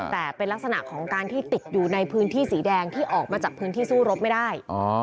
แต่เป็นลักษณะของการที่ติดอยู่ในพื้นที่สีแดงที่ออกมาจากพื้นที่สู้รบไม่ได้